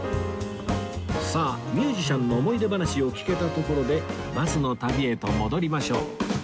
さあミュージシャンの思い出話を聞けたところでバスの旅へと戻りましょう